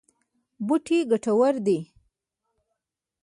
بوټي ګټور دي.